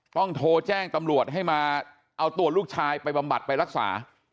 ต้องโทรแจ้งตำรวจให้มาเอาตัวลูกชายไปบำบัดไปรักษา